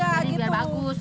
ini biar bagus